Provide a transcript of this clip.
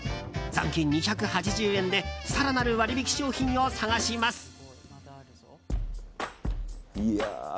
残金２８０円で更なる割引商品を探します。